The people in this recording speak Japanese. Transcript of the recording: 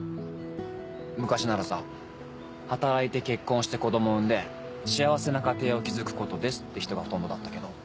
昔ならさ「働いて結婚して子供産んで幸せな家庭を築くことです」って人がほとんどだったけど。